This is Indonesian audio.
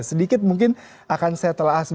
sedikit mungkin akan saya telah